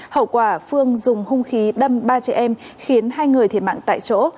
hậu quả phương dùng hung khí đâm ba chị em khiến hai người thiệt mạng tại chỗ